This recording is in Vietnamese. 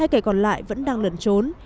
hai kẻ còn lại vẫn đang lẩn trốn